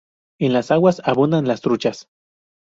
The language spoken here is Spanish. En las aguas abundan las truchas.